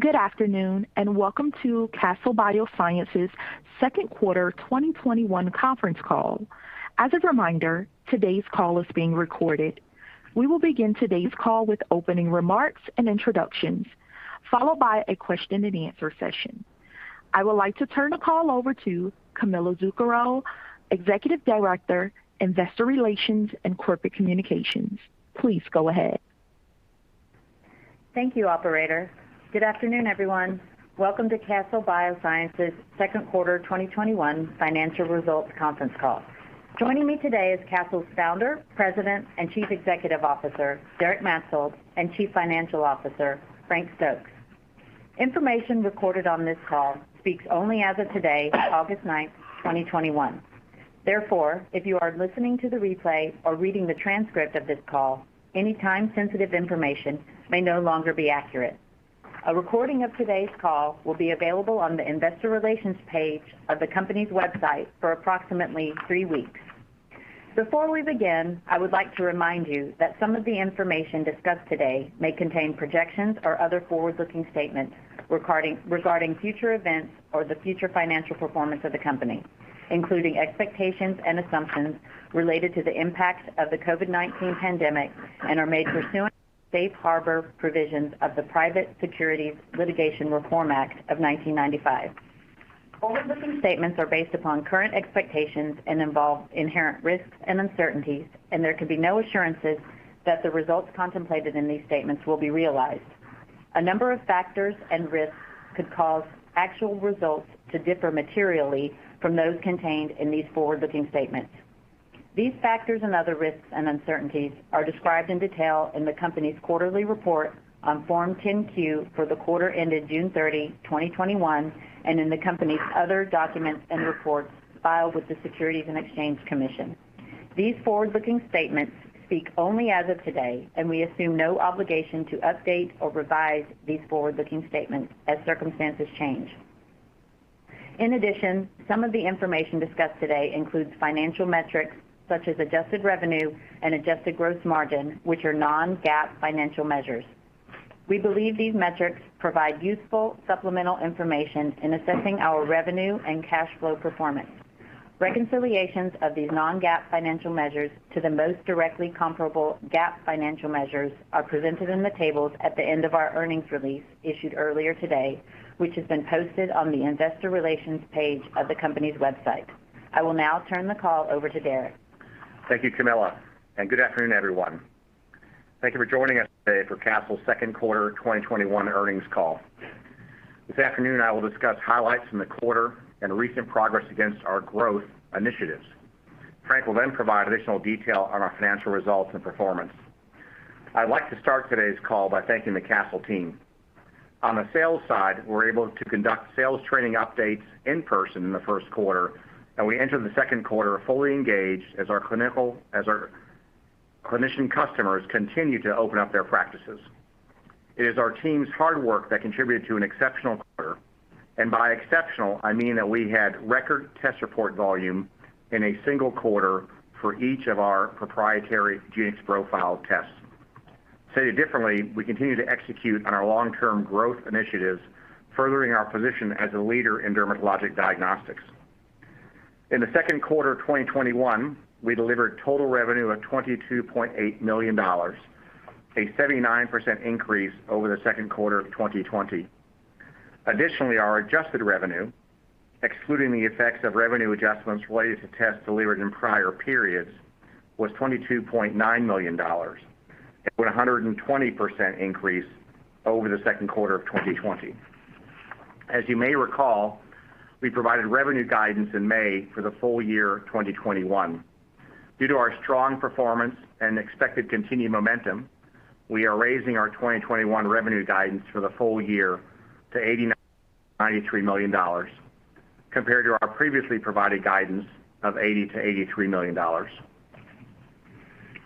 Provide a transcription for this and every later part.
Good afternoon, and welcome to Castle Biosciences' Second Quarter 2021 Conference Call. As a reminder, today's call is being recorded. We will begin today's call with opening remarks and introductions, followed by a question and answer session. I would like to turn the call over to Camilla Zuccaro, Executive Director, Investor Relations and Corporate Communications. Please go ahead. Thank you, operator. Good afternoon, everyone. Welcome to Castle Biosciences' Second Quarter 2021 Financial Results Conference Call. Joining me today is Castle's Founder, President, and Chief Executive Officer, Derek Maetzold, and Chief Financial Officer, Frank Stokes. Information recorded on this call speaks only as of today, August 9th, 2021. Therefore, if you are listening to the replay or reading the transcript of this call, any time-sensitive information may no longer be accurate. A recording of today's call will be available on the investor relations page of the company's website for approximately three weeks. Before we begin, I would like to remind you that some of the information discussed today may contain projections or other forward-looking statements regarding future events or the future financial performance of the company, including expectations and assumptions related to the impact of the COVID-19 pandemic, and are made pursuant to safe harbor provisions of the Private Securities Litigation Reform Act of 1995. Forward-looking statements are based upon current expectations and involve inherent risks and uncertainties, and there can be no assurances that the results contemplated in these statements will be realized. A number of factors and risks could cause actual results to differ materially from those contained in these forward-looking statements. These factors and other risks and uncertainties are described in detail in the company's quarterly report on Form 10-Q for the quarter ended June 30, 2021, and in the company's other documents and reports filed with the Securities and Exchange Commission. These forward-looking statements speak only as of today, and we assume no obligation to update or revise these forward-looking statements as circumstances change. In addition, some of the information discussed today includes financial metrics such as adjusted revenue and adjusted gross margin, which are non-GAAP financial measures. We believe these metrics provide useful supplemental information in assessing our revenue and cash flow performance. Reconciliations of these non-GAAP financial measures to the most directly comparable GAAP financial measures are presented in the tables at the end of our earnings release issued earlier today, which has been posted on the investor relations page of the company's website. I will now turn the call over to Derek. Thank you, Camilla, good afternoon, everyone. Thank you for joining us today for Castle's Second Quarter 2021 Earnings Call. This afternoon, I will discuss highlights from the quarter and recent progress against our growth initiatives. Frank will then provide additional detail on our financial results and performance. I'd like to start today's call by thanking the Castle team. On the sales side, we were able to conduct sales training updates in person in the first quarter, and we entered the second quarter fully engaged as our clinician customers continued to open up their practices. It is our team's hard work that contributed to an exceptional quarter, and by exceptional, I mean that we had record test report volume in a single quarter for each of our proprietary gene expression profile tests. To say it differently, we continue to execute on our long-term growth initiatives, furthering our position as a leader in dermatologic diagnostics. In the second quarter of 2021, we delivered total revenue of $22.8 million, a 79% increase over the second quarter of 2020. Additionally, our adjusted revenue, excluding the effects of revenue adjustments related to tests delivered in prior periods, was $22.9 million. It was 120% increase over the second quarter of 2020. As you may recall, we provided revenue guidance in May for the full year 2021. Due to our strong performance and expected continued momentum, we are raising our 2021 revenue guidance for the full year to $80 million-$93 million, compared to our previously provided guidance of $80 million-$83 million.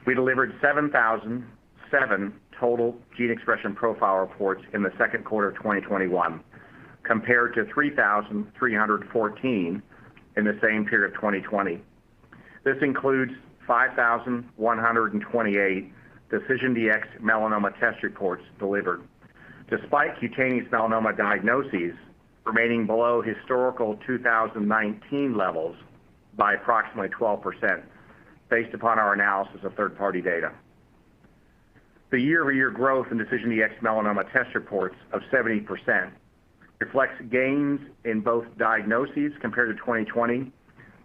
We delivered 7,007 total gene expression profile reports in the second quarter of 2021, compared to 3,314 in the same period of 2020. This includes 5,128 DecisionDx-Melanoma test reports delivered, despite cutaneous melanoma diagnoses remaining below historical 2019 levels by approximately 12%, based upon our analysis of third-party data. The year-over-year growth in DecisionDx-Melanoma test reports of 70% reflects gains in both diagnoses compared to 2020,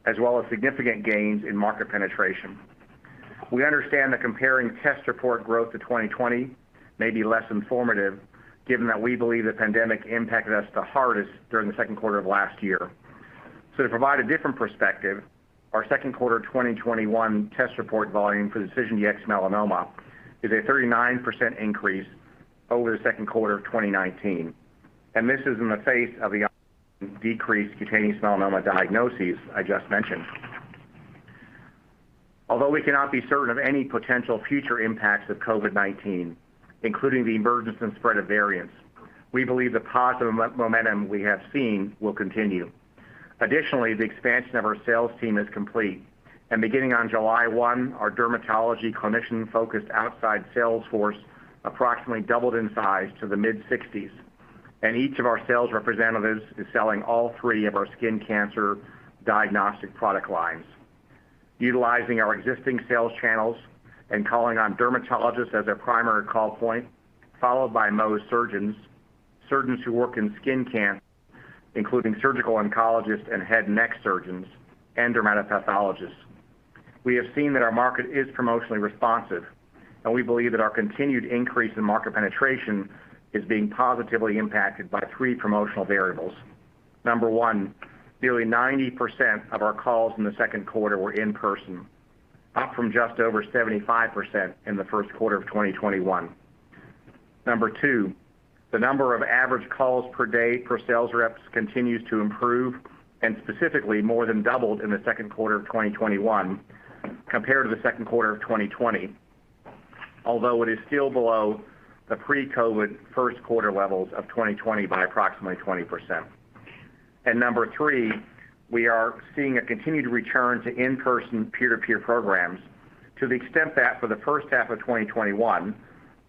as well as significant gains in market penetration. We understand that comparing test report growth to 2020 may be less informative given that we believe the pandemic impacted us the hardest during the second quarter of last year. To provide a different perspective, our second quarter 2021 test report volume for DecisionDx-Melanoma is a 39% increase over the second quarter of 2019, and this is in the face of the decreased cutaneous melanoma diagnoses I just mentioned. Although we cannot be certain of any potential future impacts of COVID-19, including the emergence and spread of variants, we believe the positive momentum we have seen will continue. The expansion of our sales team is complete. Beginning on July 1, our dermatology clinician-focused outside sales force approximately doubled in size to the mid-60s, and each of our sales representatives is selling all three of our skin cancer diagnostic product lines. Utilizing our existing sales channels and calling on dermatologists as their primary call point, followed by Mohs surgeons who work in skin cancer, including surgical oncologists and head and neck surgeons, and dermatopathologists. We have seen that our market is promotionally responsive, and we believe that our continued increase in market penetration is being positively impacted by three promotional variables. Number one, nearly 90% of our calls in the second quarter were in person, up from just over 75% in the first quarter of 2021. Number two, the number of average calls per day per sales reps continues to improve, and specifically more than doubled in the second quarter of 2021 compared to the second quarter of 2020. Although it is still below the pre-COVID first quarter levels of 2020 by approximately 20%. Number three, we are seeing a continued return to in-person peer-to-peer programs to the extent that for the first half of 2021,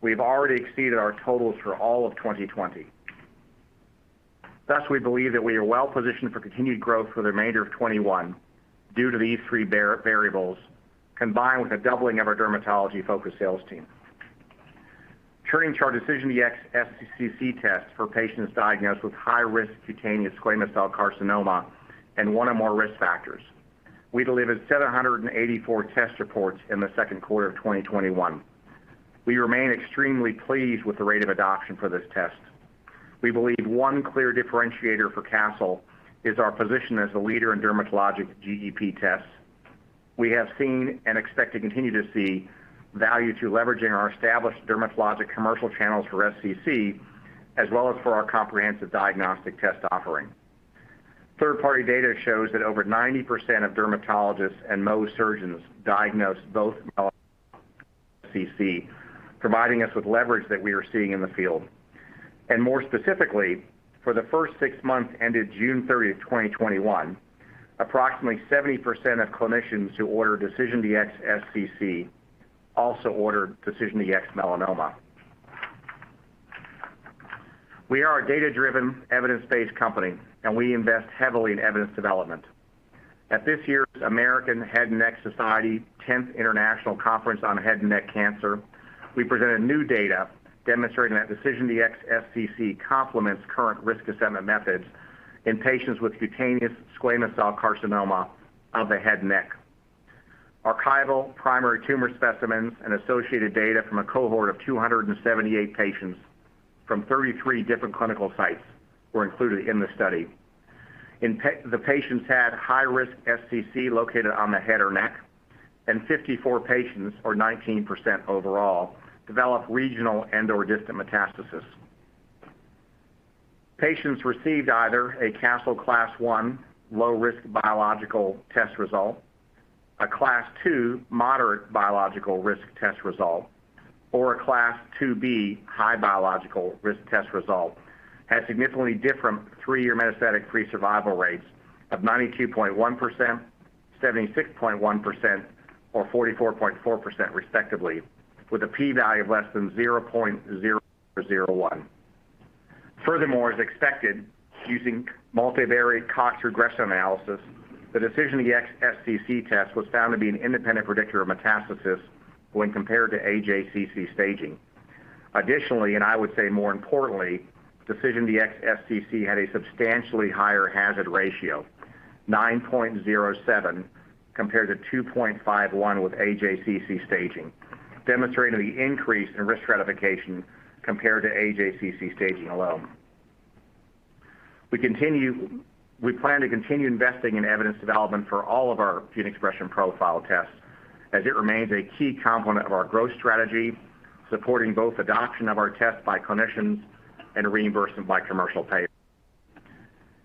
we've already exceeded our totals for all of 2020. Thus, we believe that we are well positioned for continued growth for the remainder of 2021 due to these three variables, combined with a doubling of our dermatology-focused sales team. Turning to our DecisionDx-SCC test for patients diagnosed with high-risk cutaneous squamous cell carcinoma and one or more risk factors. We delivered 784 test reports in the second quarter of 2021. We remain extremely pleased with the rate of adoption for this test. We believe one clear differentiator for Castle is our position as a leader in dermatologic GEP tests. We have seen and expect to continue to see value to leveraging our established dermatologic commercial channels for SCC, as well as for our comprehensive diagnostic test offering. Third-party data shows that over 90% of dermatologists and Mohs surgeons diagnose both melanoma and SCC, providing us with leverage that we are seeing in the field. More specifically, for the first six months ended June 30, 2021, approximately 70% of clinicians who order DecisionDx-SCC also ordered DecisionDx-Melanoma. We are a data-driven, evidence-based company, and we invest heavily in evidence development. At this year's American Head and Neck Society 10th International Conference on Head and Neck Cancer, we presented new data demonstrating that DecisionDx-SCC complements current risk assessment methods in patients with cutaneous squamous cell carcinoma of the head and neck. Archival primary tumor specimens and associated data from a cohort of 278 patients from 33 different clinical sites were included in the study. The patients had high-risk SCC located on the head or neck, and 54 patients or 19% overall, developed regional and/or distant metastasis. Patients received either a Castle Class 1 low-risk biological test result, a Class 2 moderate biological risk test result, or a Class 2B high biological risk test result, had significantly different three-year metastatic-free survival rates of 92.1%, 76.1%, or 44.4% respectively, with a P value of less than 0.001. Furthermore, as expected, using multivariate Cox regression analysis, the DecisionDx-SCC test was found to be an independent predictor of metastasis when compared to AJCC staging. Additionally, and I would say more importantly, DecisionDx-SCC had a substantially higher hazard ratio, 9.07 compared to 2.51 with AJCC staging, demonstrating the increase in risk stratification compared to AJCC staging alone. We plan to continue investing in evidence development for all of our gene expression profile tests, as it remains a key component of our growth strategy, supporting both adoption of our test by clinicians and reimbursement by commercial payers.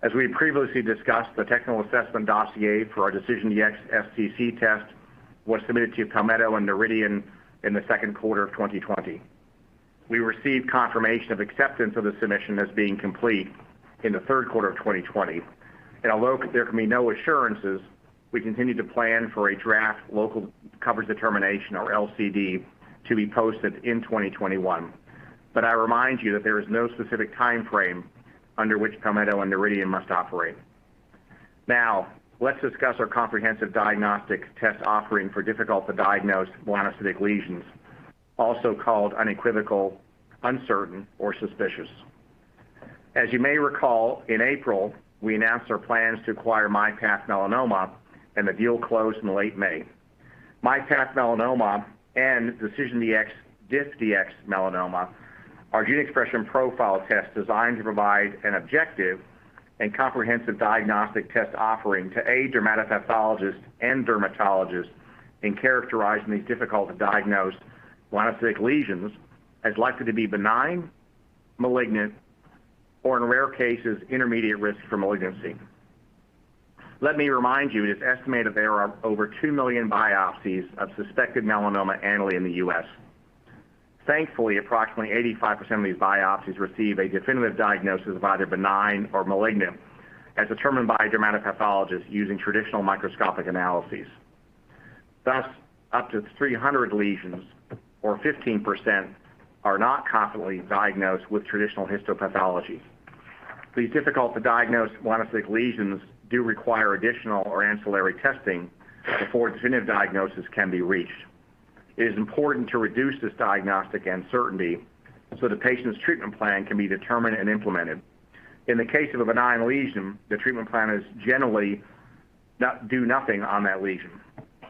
As we previously discussed, the technical assessment dossier for our DecisionDx-SCC test was submitted to Palmetto and Noridian in the second quarter of 2020. We received confirmation of acceptance of the submission as being complete in the third quarter of 2020. Although there can be no assurances, we continue to plan for a draft Local Coverage Determination or LCD to be posted in 2021. I remind you that there is no specific timeframe under which Palmetto and Noridian must operate. Let's discuss our comprehensive diagnostic test offering for difficult-to-diagnose melanocytic lesions, also called unequivocal, uncertain, or suspicious. As you may recall, in April, we announced our plans to acquire MyPath Melanoma, and the deal closed in late May. MyPath Melanoma and DecisionDx DiffDx-Melanoma are gene expression profile tests designed to provide an objective and comprehensive diagnostic test offering to aid dermatopathologists and dermatologists in characterizing these difficult-to-diagnose melanocytic lesions as likely to be benign, malignant, or in rare cases, intermediate risk for malignancy. Let me remind you, it is estimated there are over two million biopsies of suspected melanoma annually in the U.S. Thankfully, approximately 85% of these biopsies receive a definitive diagnosis of either benign or malignant, as determined by a dermatopathologist using traditional microscopic analyses. Up to 300 lesions, or 15%, are not confidently diagnosed with traditional histopathology. These difficult-to-diagnose melanocytic lesions do require additional or ancillary testing before a definitive diagnosis can be reached. It is important to reduce this diagnostic uncertainty so the patient's treatment plan can be determined and implemented. In the case of a benign lesion, the treatment plan is generally do nothing on that lesion.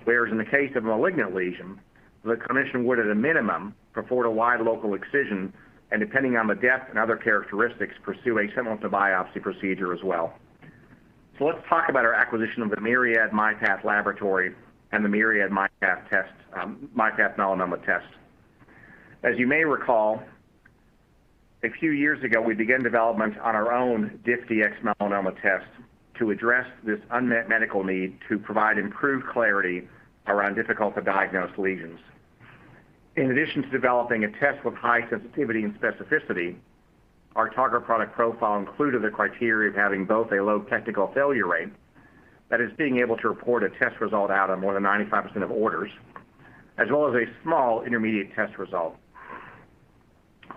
In the case of a malignant lesion, the clinician would, at a minimum, perform a wide local excision, and depending on the depth and other characteristics, pursue a sentinel node biopsy procedure as well. Let's talk about our acquisition of the Myriad myPath laboratory and the Myriad myPath Melanoma test. As you may recall, a few years ago, we began development on our own DiffDx-Melanoma test to address this unmet medical need to provide improved clarity around difficult-to-diagnose lesions. In addition to developing a test with high sensitivity and specificity, our target product profile included the criteria of having both a low technical failure rate, that is, being able to report a test result out on more than 95% of orders, as well as a small intermediate test result.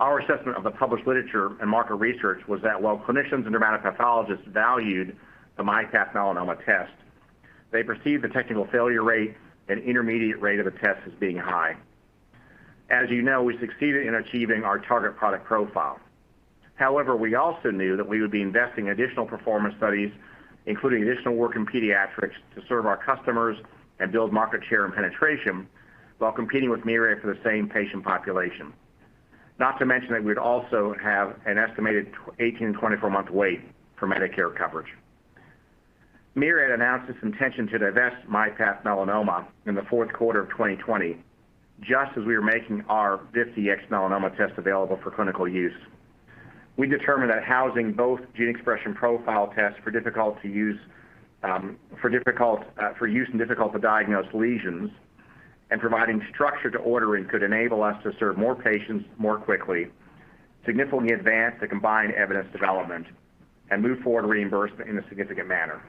Our assessment of the published literature and market research was that while clinicians and dermatopathologists valued the MyPath Melanoma test, they perceived the technical failure rate and intermediate rate of the test as being high. As you know, we succeeded in achieving our target product profile. However, we also knew that we would be investing additional performance studies, including additional work in pediatrics, to serve our customers and build market share and penetration while competing with Myriad for the same patient population. Not to mention that we'd also have an estimated 18-to-24-month wait for Medicare coverage. Myriad announced its intention to divest MyPath Melanoma in the fourth quarter of 2020, just as we were making our DiffDx-Melanoma test available for clinical use. We determined that housing both gene expression profile tests for use in difficult-to-diagnose lesions and providing structure to ordering could enable us to serve more patients more quickly, significantly advance the combined evidence development, and move forward reimbursement in a significant manner.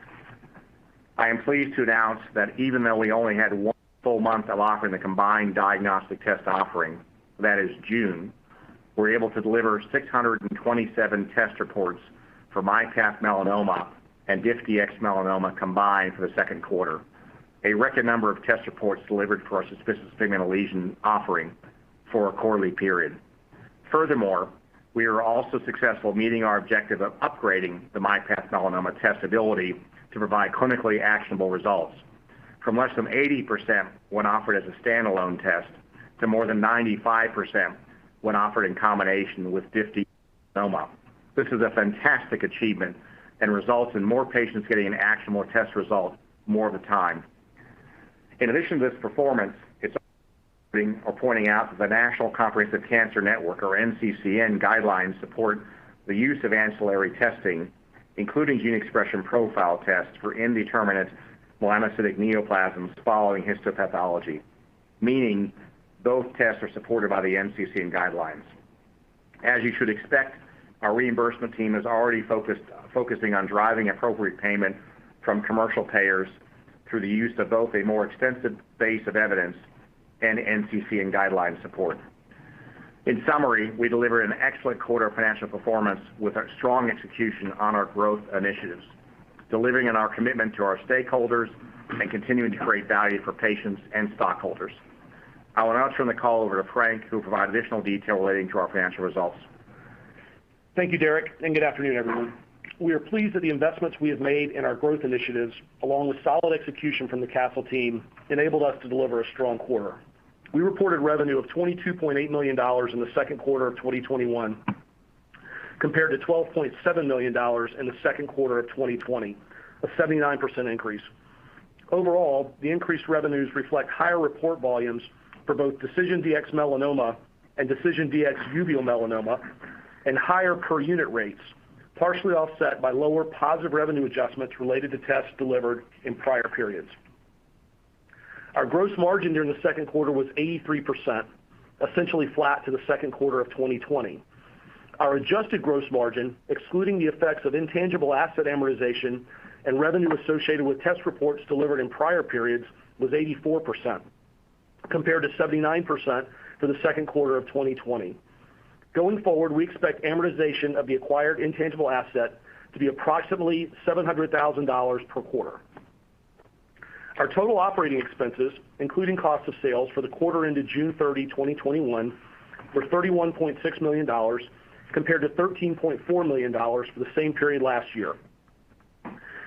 I am pleased to announce that even though we only had one full month of offering the combined diagnostic test offering, that is June, we were able to deliver 627 test reports for MyPath Melanoma and DiffDx-Melanoma combined for the second quarter, a record number of test reports delivered for our suspicious pigment lesion offering for a quarterly period. Furthermore, we were also successful meeting our objective of upgrading the MyPath Melanoma test ability to provide clinically actionable results. From less than 80% when offered as a standalone test to more than 95% when offered in combination with DiffDx-Melanoma. This is a fantastic achievement and results in more patients getting an actionable test result more of the time. In addition to this performance, it's worth pointing out that the National Comprehensive Cancer Network, or NCCN Guidelines, support the use of ancillary testing, including gene expression profile tests for indeterminate melanocytic neoplasms following histopathology, meaning both tests are supported by the NCCN Guidelines. As you should expect, our reimbursement team is already focusing on driving appropriate payment from commercial payers through the use of both a more extensive base of evidence and NCCN Guidelines support. In summary, we delivered an excellent quarter of financial performance with a strong execution on our growth initiatives, delivering on our commitment to our stakeholders and continuing to create value for patients and stockholders. I will now turn the call over to Frank, who will provide additional detail relating to our financial results. Thank you, Derek, and good afternoon, everyone. We are pleased that the investments we have made in our growth initiatives, along with solid execution from the Castle team, enabled us to deliver a strong quarter. We reported revenue of $22.8 million in the second quarter of 2021, compared to $12.7 million in the second quarter of 2020, a 79% increase. Overall, the increased revenues reflect higher report volumes for both DecisionDx-Melanoma and DecisionDx-UM and higher per-unit rates, partially offset by lower positive revenue adjustments related to tests delivered in prior periods. Our gross margin during the second quarter was 83%, essentially flat to the second quarter of 2020. Our adjusted gross margin, excluding the effects of intangible asset amortization and revenue associated with test reports delivered in prior periods, was 84%, compared to 79% for the second quarter of 2020. Going forward, we expect amortization of the acquired intangible asset to be approximately $700,000 per quarter. Our total operating expenses, including cost of sales for the quarter ended June 30, 2021, were $31.6 million, compared to $13.4 million for the same period last year.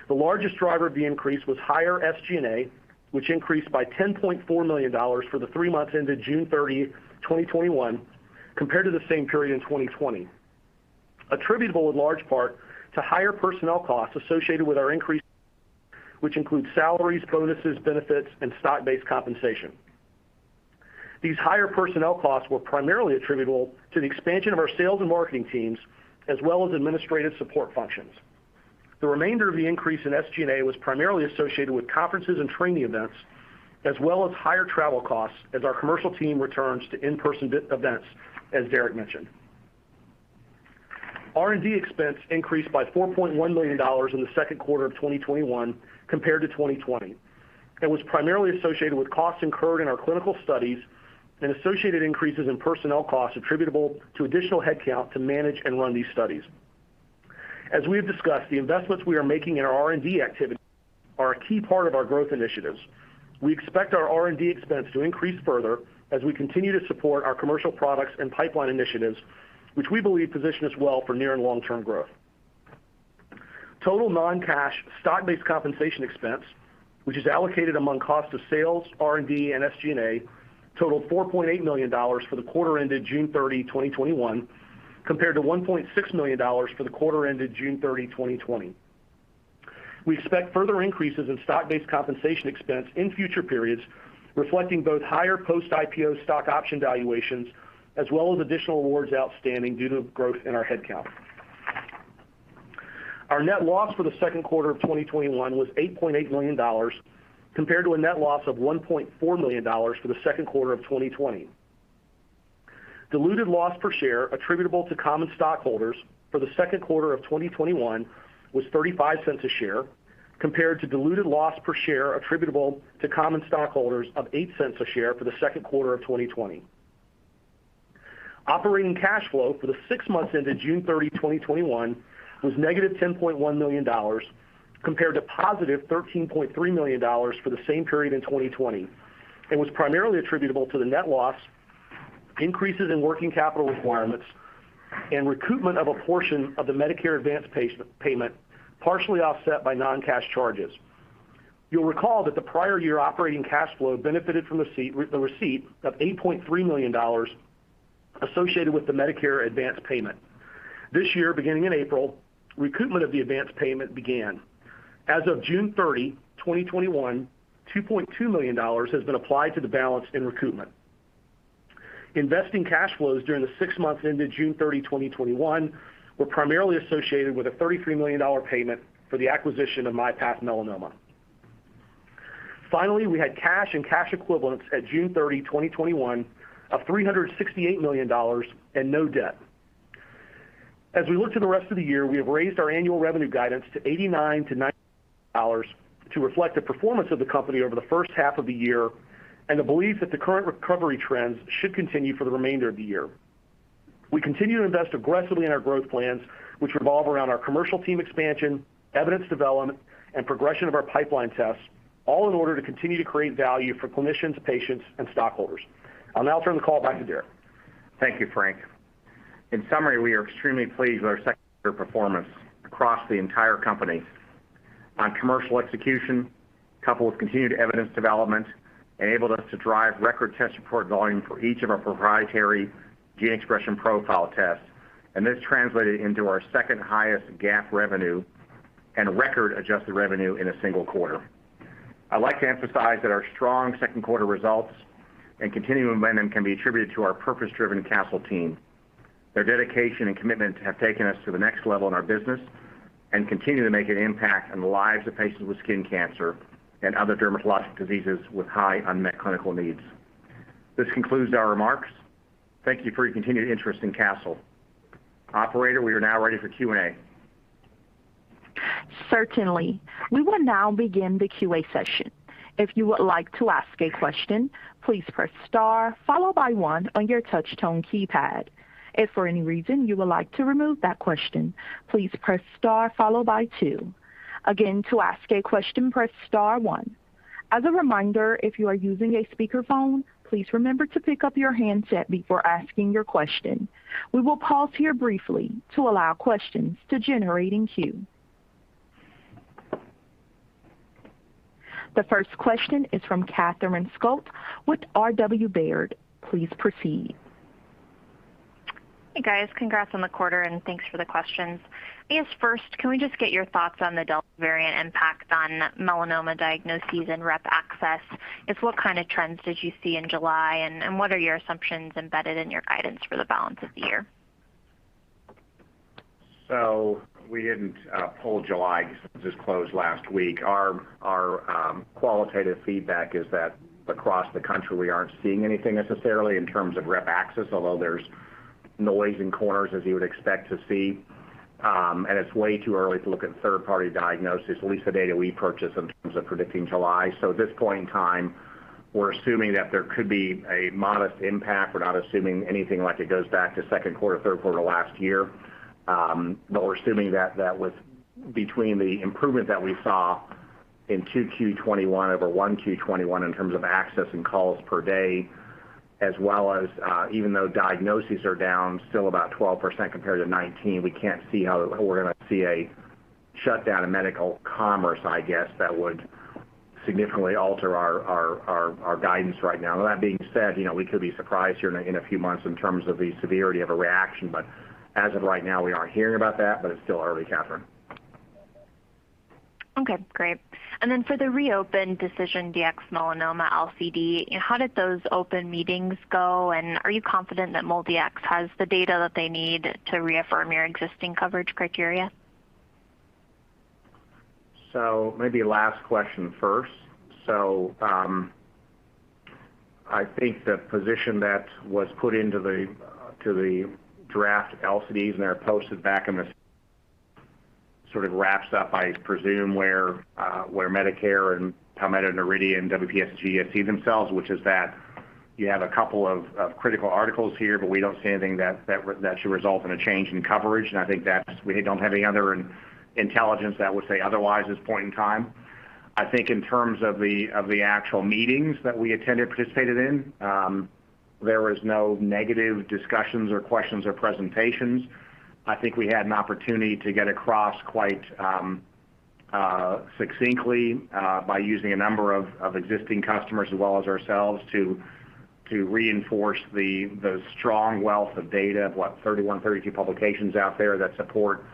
The largest driver of the increase was higher SG&A, which increased by $10.4 million for the three months ended June 30, 2021, compared to the same period in 2020, attributable in large part to higher personnel costs associated with our increase, which includes salaries, bonuses, benefits, and stock-based compensation. These higher personnel costs were primarily attributable to the expansion of our sales and marketing teams, as well as administrative support functions. The remainder of the increase in SG&A was primarily associated with conferences and training events, as well as higher travel costs as our commercial team returns to in-person events, as Derek mentioned. R&D expense increased by $4.1 million in the second quarter of 2021 compared to 2020, and was primarily associated with costs incurred in our clinical studies and associated increases in personnel costs attributable to additional headcount to manage and run these studies. As we have discussed, the investments we are making in our R&D activities are a key part of our growth initiatives. We expect our R&D expense to increase further as we continue to support our commercial products and pipeline initiatives, which we believe position us well for near and long-term growth. Total non-cash stock-based compensation expense, which is allocated among cost of sales, R&D, and SG&A, totaled $4.8 million for the quarter ended June 30, 2021, compared to $1.6 million for the quarter ended June 30, 2020. We expect further increases in stock-based compensation expense in future periods, reflecting both higher post-IPO stock option valuations as well as additional awards outstanding due to growth in our headcount. Our net loss for the second quarter of 2021 was $8.8 million, compared to a net loss of $1.4 million for the second quarter of 2020. Diluted loss per share attributable to common stockholders for the second quarter of 2021 was $0.35 a share, compared to diluted loss per share attributable to common stockholders of $0.08 a share for the second quarter of 2020. Operating cash flow for the six months ended June 30, 2021 was negative $10.1 million, compared to positive $13.3 million for the same period in 2020, and was primarily attributable to the net loss, increases in working capital requirements, and recoupment of a portion of the Medicare advanced payment, partially offset by non-cash charges. You'll recall that the prior year operating cash flow benefited from the receipt of $8.3 million associated with the Medicare advanced payment. This year, beginning in April, recoupment of the advanced payment began. As of June 30, 2021, $2.2 million has been applied to the balance in recoupment. Investing cash flows during the six months ended June 30, 2021 were primarily associated with a $33 million payment for the acquisition of MyPath Melanoma. We had cash and cash equivalents at June 30, 2021 of $368 million and no debt. We look to the rest of the year, we have raised our annual revenue guidance to $89 million-$90 million to reflect the performance of the company over the first half of the year and the belief that the current recovery trends should continue for the remainder of the year. We continue to invest aggressively in our growth plans, which revolve around our commercial team expansion, evidence development, and progression of our pipeline tests, all in order to continue to create value for clinicians, patients, and stockholders. I'll now turn the call back to Derek. Thank you, Frank. In summary, we are extremely pleased with our second quarter performance across the entire company. On commercial execution, coupled with continued evidence development, enabled us to drive record test report volume for each of our proprietary gene expression profile tests, and this translated into our second highest GAAP revenue and record adjusted revenue in one single quarter. I'd like to emphasize that our strong second quarter results and continuing momentum can be attributed to our purpose-driven Castle team. Their dedication and commitment have taken us to the next level in our business and continue to make an impact on the lives of patients with skin cancer and other dermatologic diseases with high unmet clinical needs. This concludes our remarks. Thank you for your continued interest in Castle. Operator, we are now ready for Q&A. Certainly. We will now begin the Q&A session. If you would like to ask a question please press star followed by one on your touchtone keypad. If for any reason you would like to remove the question please press star followed by two. Again to ask a question press star one. As a reminder if you are using speaker phone please remember to pick your handset before asking your question. We will pause briefly to allow question to generate in queue. The first question is from Catherine Schulte with R.W. Baird. Please proceed. Hey, guys. Congrats on the quarter, and thanks for the questions. May I ask first, can we just get your thoughts on the Delta variant impact on melanoma diagnoses and rep access? Just what kind of trends did you see in July, and what are your assumptions embedded in your guidance for the balance of the year? We didn't poll July since this closed last week. Our qualitative feedback is that across the country, we aren't seeing anything necessarily in terms of rep access, although there's noise in corners as you would expect to see. It's way too early to look at third-party diagnosis, at least the data we purchase in terms of predicting July. At this point in time, we're assuming that there could be a modest impact. We're not assuming anything like it goes back to second quarter, third quarter last year. We're assuming that between the improvement that we saw in 2Q 2021 over 1Q 2021 in terms of access and calls per day, as well as even though diagnoses are down still about 12% compared to 2019, we can't see how we're going to see a shutdown in medical commerce, I guess that would significantly alter our guidance right now. That being said, we could be surprised here in a few months in terms of the severity of a reaction. As of right now, we aren't hearing about that, but it's still early, Catherine Schulte. Okay, great. For the Reopen DecisionDx-Melanoma LCD, how did those open meetings go? Are you confident that MolDX has the data that they need to reaffirm your existing coverage criteria? Maybe last question first. I think the position that was put into the draft LCDs and are posted sort of wraps up, I presume, where Medicare and Palmetto and Noridian, WPSG, et cetera themselves, which is that you have a couple of critical articles here, but we don't see anything that should result in a change in coverage. We don't have any other intelligence that would say otherwise at this point in time. I think in terms of the actual meetings that we attended, participated in, there was no negative discussions or questions or presentations. I think we had an opportunity to get across quite succinctly, by using a number of existing customers as well as ourselves to reinforce the strong wealth of data of what 31, 32 publications out there that support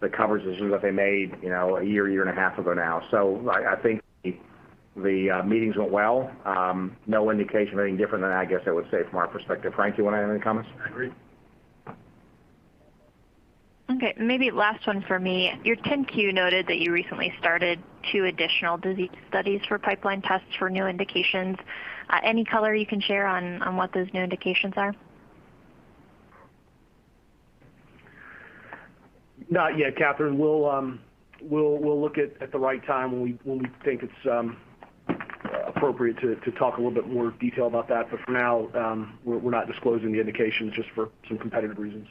the coverage decisions that they made a year, 1.5 years ago now. I think the meetings went well. No indication of anything different than I guess I would say from our perspective. Frank, you want to add any comments? I agree. Maybe last one from me. Your 10-Q noted that you recently started two additional disease studies for pipeline tests for new indications. Any color you can share on what those new indications are? Not yet, Catherine. We'll look at the right time when we think it's appropriate to talk a little bit more detail about that. For now, we're not disclosing the indications just for some competitive reasons.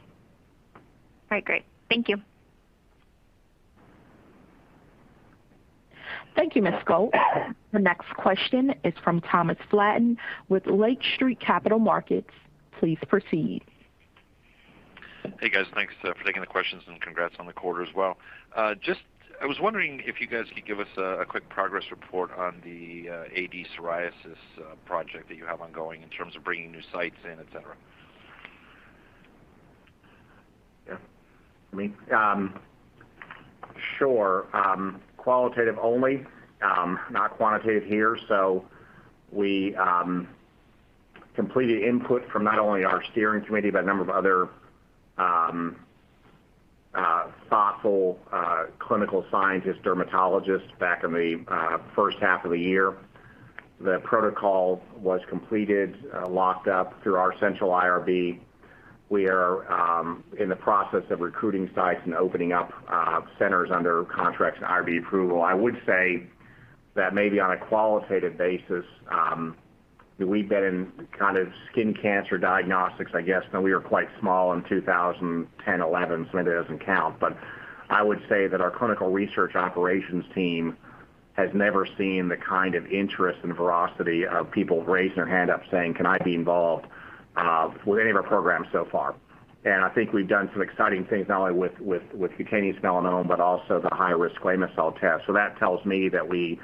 All right, great. Thank you. Thank you, Ms. Schulte. The next question is from Thomas Flaten with Lake Street Capital Markets. Please proceed. Hey, guys. Thanks for taking the questions and congrats on the quarter as well. I was wondering if you guys could give us a quick progress report on the AD psoriasis project that you have ongoing in terms of bringing new sites in, et cetera. Yeah. Me? Sure. Qualitative only, not quantitative here. We completed input from not only our steering committee, but a number of other thoughtful clinical scientists, dermatologists back in the first half of the year. The protocol was completed, locked up through our central IRB. We are in the process of recruiting sites and opening up centers under contracts and IRB approval. I would say that maybe on a qualitative basis, we've been in skin cancer diagnostics, I guess, though we were quite small in 2010, 2011, maybe it doesn't count. I would say that our clinical research operations team has never seen the kind of interest and veracity of people raising their hand up saying, can I be involved? with any of our programs so far. I think we've done some exciting things, not only with cutaneous melanoma, but also the high-risk squamous cell test. That tells me that we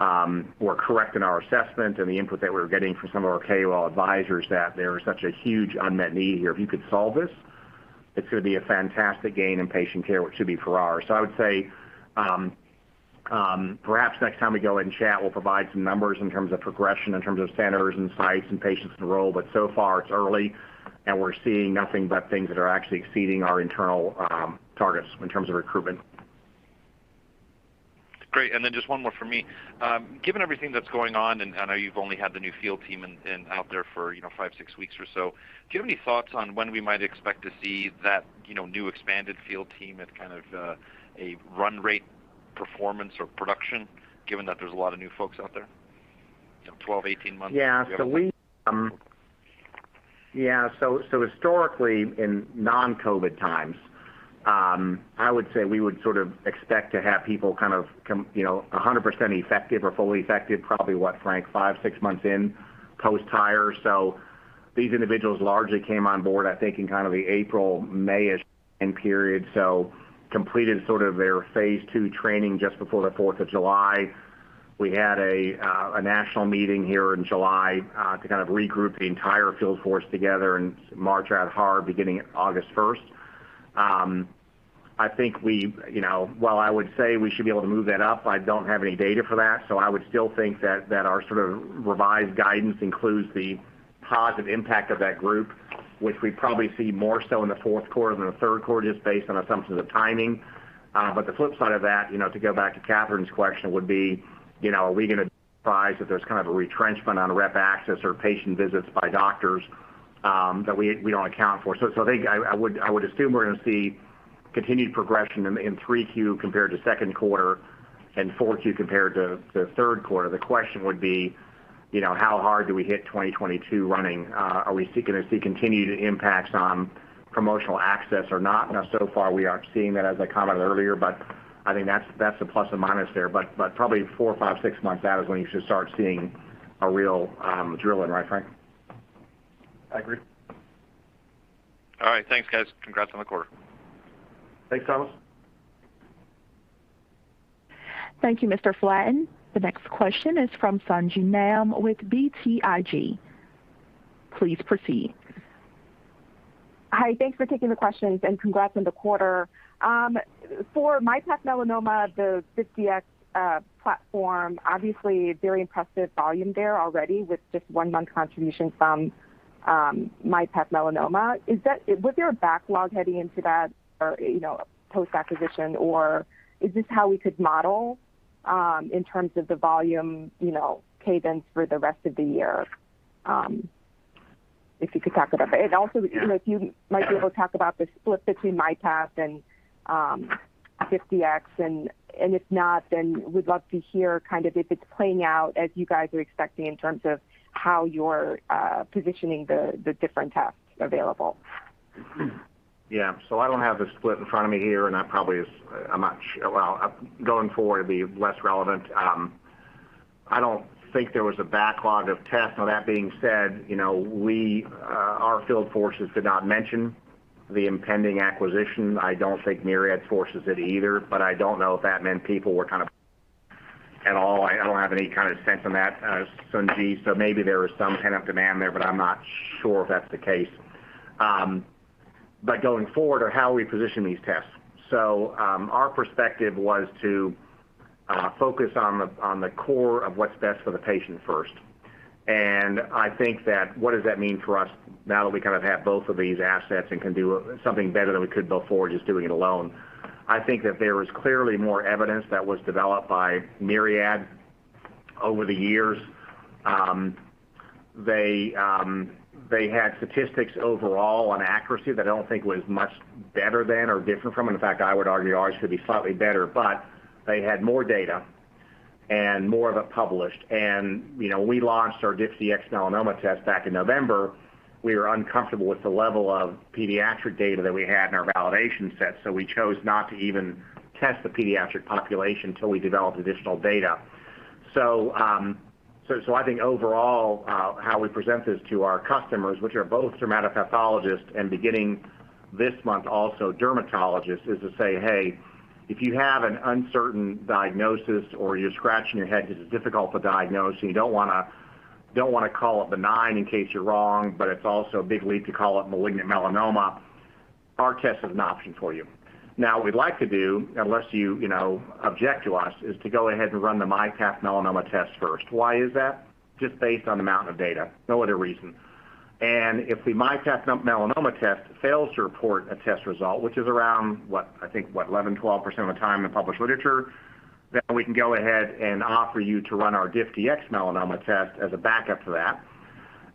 were correct in our assessment and the input that we were getting from some of our KOL advisors that there is such a huge unmet need here. If you could solve this, it's going to be a fantastic gain in patient care, which should be for ours. I would say, perhaps next time we go and chat, we'll provide some numbers in terms of progression, in terms of centers and sites and patients enrolled. So far it's early, and we're seeing nothing but things that are actually exceeding our internal targets in terms of recruitment. Great. Just one more for me. Given everything that's going on, I know you've only had the new field team out there for five, six weeks or so, do you have any thoughts on when we might expect to see that new expanded field team at kind of a run rate performance or production, given that there's a lot of new folks out there? 12, 18 months? Yeah. Historically in non-COVID times, I would say we would sort of expect to have people 100% effective or fully effective, probably what, Frank five, six months in post hire. These individuals largely came on board, I think, in kind of the April, May-ish period. Completed sort of their phase II training just before the July 4th. We had a national meeting here in July to kind of regroup the entire field force together and march out hard beginning August 1st. I think while I would say we should be able to move that up, I don't have any data for that. I would still think that our sort of revised guidance includes the positive impact of that group, which we probably see more so in the fourth quarter than the third quarter, just based on assumptions of timing. The flip side of that, to go back to Catherine's question, would be, are we going to advise that there's kind of a retrenchment on rep access or patient visits by doctors that we don't account for? So I would assume we're going to see continued progression in 3Q compared to second quarter and 4Q compared to the third quarter. The question would be, how hard do we hit 2022 running? Are we going to see continued impacts on promotional access or not? So far we aren't seeing that, as I commented earlier, but I think that's the plus and minus there. Probably four, five, six months out is when you should start seeing a real drilling, right, Frank? I agree. All right. Thanks, guys. Congrats on the quarter. Thanks, Thomas. Thank you, Mr. Flaten. The next question is from Sung Ji Nam with BTIG. Please proceed. Hi, thanks for taking the questions, and congrats on the quarter. For MyPath Melanoma, the DiffDx platform, obviously very impressive volume there already with just one month contribution from myPath Melanoma. Was there a backlog heading into that post-acquisition, or is this how we could model in terms of the volume cadence for the rest of the year? If you could talk about that. Also, if you might be able to talk about the split between MyPath and DiffDx. If not, then we'd love to hear if it's playing out as you guys are expecting in terms of how you're positioning the different tests available. Yeah. I don't have the split in front of me here, and that probably, going forward, will be less relevant. I don't think there was a backlog of tests. Now that being said, our field forces did not mention the impending acquisition. I don't think Myriad's forces did either. I don't know if that meant people were kind of at all. I don't have any kind of sense on that, Sung Ji, so maybe there was some pent-up demand there, but I'm not sure if that's the case. Going forward are how we position these tests. Our perspective was to focus on the core of what's best for the patient first. I think that what does that mean for us now that we kind of have both of these assets and can do something better than we could before just doing it alone? I think that there is clearly more evidence that was developed by Myriad over the years. They had statistics overall on accuracy that I don't think was much better than or different from, in fact, I would argue ours could be slightly better, but they had more data and more of it published. We launched our DiffDx-Melanoma test back in November. We were uncomfortable with the level of pediatric data that we had in our validation set, so we chose not to even test the pediatric population till we developed additional data. I think overall, how we present this to our customers, which are both dermatopathologists and beginning this month, also dermatologists, is to say, hey, if you have an uncertain diagnosis or you're scratching your head because it's difficult to diagnose and you don't want to call it benign in case you're wrong, but it's also a big leap to call it malignant melanoma, our test is an option for you. What we'd like to do, unless you object to us, is to go ahead and run the MyPath Melanoma test first. Why is that? Just based on amount of data, no other reason. If the MyPath Melanoma test fails to report a test result, which is around, I think, what, 11%, 12% of the time in published literature, we can go ahead and offer you to run our DiffDx-Melanoma test as a backup to that.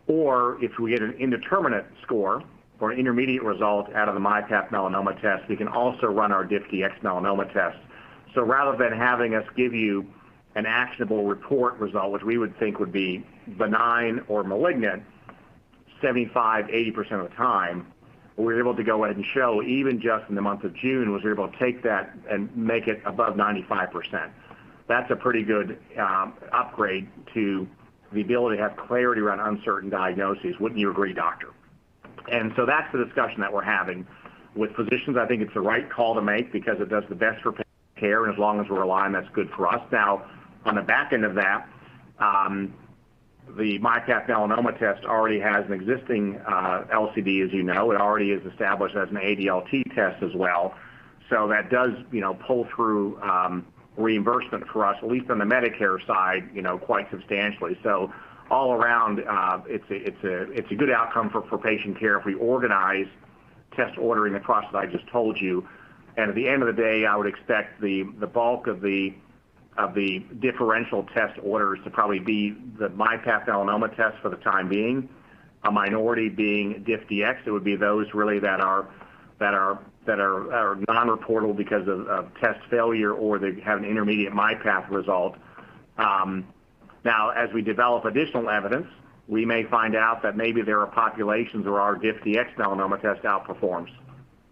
If we get an indeterminate score or an intermediate result out of the MyPath Melanoma test, we can also run our DiffDx-Melanoma test. Rather than having us give you an actionable report result, which we would think would be benign or malignant 75%, 80% of the time, we're able to go ahead and show even just in the month of June, we were able to take that and make it above 95%. That's a pretty good upgrade to the ability to have clarity around uncertain diagnoses. Wouldn't you agree, doctor? That's the discussion that we're having with physicians. I think it's the right call to make because it does the best for patient care, and as long as we're aligned, that's good for us. On the back end of that, the MyPath Melanoma test already has an existing LCD, as you know. It already is established as an ADLT test as well. That does pull through reimbursement for us, at least on the Medicare side, quite substantially. All around, it's a good outcome for patient care if we organize test ordering across, as I just told you. At the end of the day, I would expect the bulk of the differential test orders to probably be the MyPath Melanoma test for the time being, a minority being DiffDx. It would be those really that are non-reportable because of test failure, or they have an intermediate myPath result. As we develop additional evidence, we may find out that maybe there are populations where our DiffDx-Melanoma test outperforms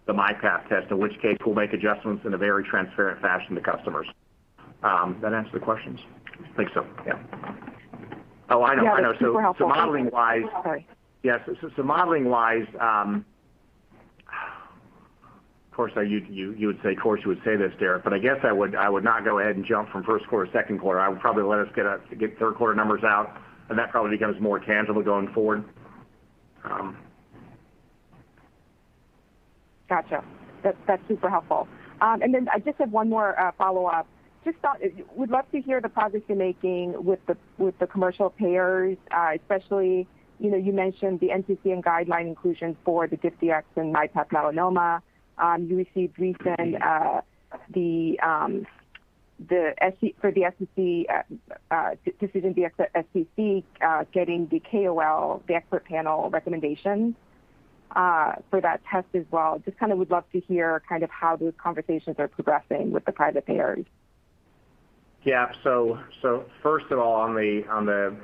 the MyPath test, in which case, we'll make adjustments in a very transparent fashion to customers. Does that answer the questions? I think so. Yeah. Super helpful. So modeling-wise- Sorry. Yes. Modeling-wise, of course, you would say, of course, you would say this, Derek Maetzold, but I guess I would not go ahead and jump from first quarter to second quarter. I would probably let us get third quarter numbers out, and that probably becomes more tangible going forward. Gotcha. That's super helpful. I just have one more follow-up. Just thought, we'd love to hear the progress you're making with the commercial payers, especially, you mentioned the NCCN Guidelines inclusion for the DiffDx and MyPath Melanoma. You received recent-For the SCC, DecisionDx-SCC getting the KOL, the expert panel recommendation for that test as well, just kind of would love to hear how those conversations are progressing with the private payers. First of all, on the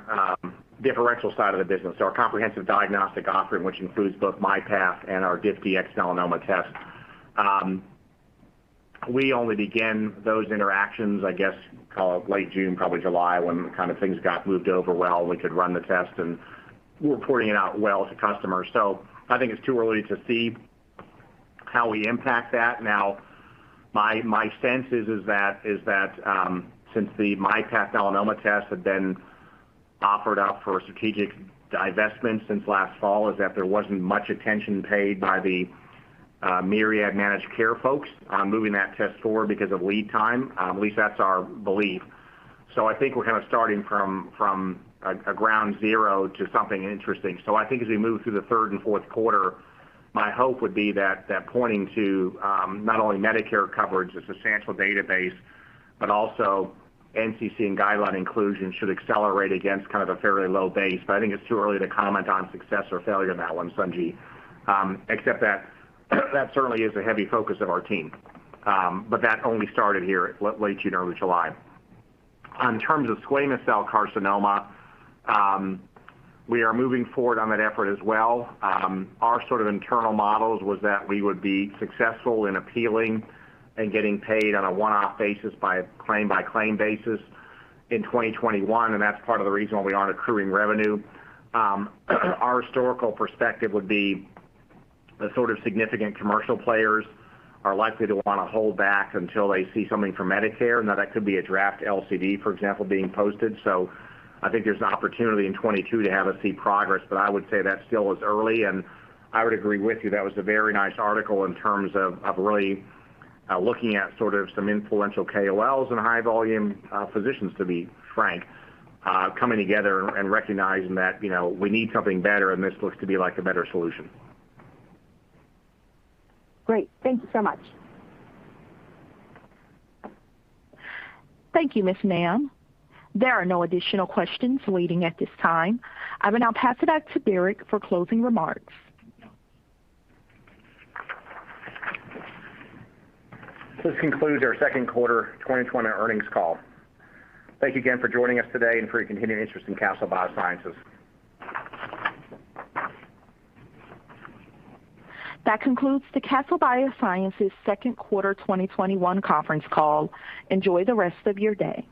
differential side of the business, our comprehensive diagnostic offering, which includes both MyPath and our DiffDx-Melanoma test. We only began those interactions, I guess, call it late June, probably July, when kind of things got moved over well, we could run the test and we're reporting it out well to customers. I think it's too early to see how we impact that now, my sense is that since the MyPath Melanoma test had been offered up for strategic divestment since last fall, is that there wasn't much attention paid by the Myriad managed care folks on moving that test forward because of lead time. At least that's our belief. I think we're kind of starting from a ground zero to something interesting. I think as we move through the third and fourth quarter, my hope would be that pointing to not only Medicare coverage, a substantial database, but also NCCN guideline inclusion should accelerate against kind of a fairly low base. I think it's too early to comment on success or failure on that one, Sung Ji, except that certainly is a heavy focus of our team. That only started here late June, early July. In terms of squamous cell carcinoma, we are moving forward on that effort as well. Our sort of internal models was that we would be successful in appealing and getting paid on a one-off basis by a claim-by-claim basis in 2021, and that's part of the reason why we aren't accruing revenue. Our historical perspective would be the sort of significant commercial players are likely to want to hold back until they see something from Medicare. That could be a draft LCD, for example, being posted. I think there's an opportunity in 2022 to have us see progress, but I would say that still is early, and I would agree with you, that was a very nice article in terms of really looking at sort of some influential KOLs and high volume physicians, to be frank, coming together and recognizing that we need something better and this looks to be like a better solution. Great. Thank you so much. Thank you, Ms. Nam. There are no additional questions waiting at this time. I will now pass it back to Derek for closing remarks. This concludes our Second Quarter 2021 Earnings Call. Thank you again for joining us today and for your continued interest in Castle Biosciences. That concludes the Castle Biosciences Second Quarter 2021 Conference Call. Enjoy the rest of your day.